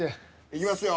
いきますよ。